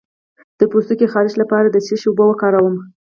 د پوستکي خارښ لپاره د څه شي اوبه وکاروم؟